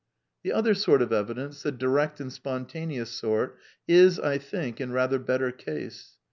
/ The other sort of evidence, the direct and spontaneous / sort, is, I think, in rather better case.